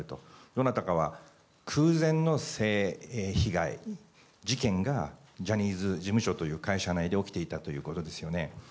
どなたかは空前の性被害、事件がジャニーズ事務所という会社内で起きていたということですよね。